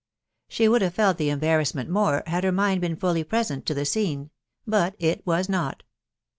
She. would hmre felt the embarrassment more had her mind been fully present to the scene ; but it was not.